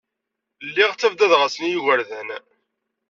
Lliɣ ttabdadeɣ-asen i yigerdan.